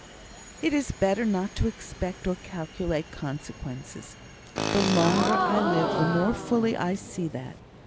"It is better not to expect or calculate consequences. The longer I live, the more fully I see that.